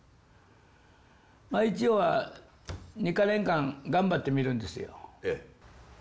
まあ一応は２か年間頑張ってみるんですよ。